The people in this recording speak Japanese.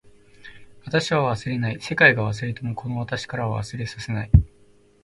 私は忘れない。世界が忘れてもこの私からは忘れさせない。